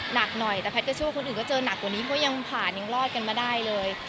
หนักหน่อยแต่แพทย์ก็เชื่อว่าคนอื่นก็เจอหนักกว่านี้เพราะยังผ่านยังรอดกันมาได้เลย